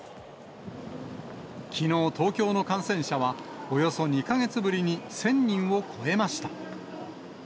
きのう、東京の感染者はおよそ２か月ぶりに１０００人を超えました。